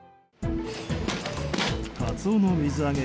カツオの水揚げ